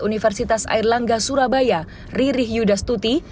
universitas airlangga surabaya riri yudastuti